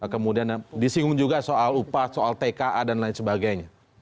kemudian disinggung juga soal upah soal tka dan lain sebagainya